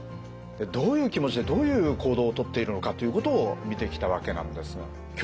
どういう気持ちでどういう行動を取っているのかということを見てきたわけなんですが今日は？